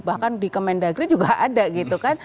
bahkan di kemendagri juga ada gitu kan